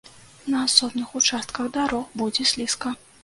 На асобных участках дарог будзе слізка.